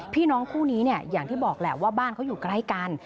พี่น้องคู่นี้แบบบอกแหละว่าบ้านเขาอยู่ไกล่กัน